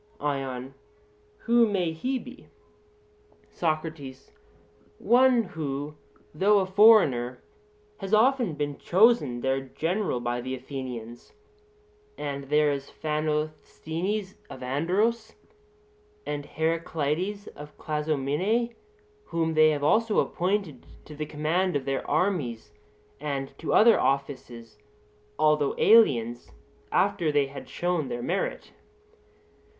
ION: Who may he be? SOCRATES: One who, though a foreigner, has often been chosen their general by the Athenians: and there is Phanosthenes of Andros, and Heraclides of Clazomenae, whom they have also appointed to the command of their armies and to other offices, although aliens, after they had shown their merit.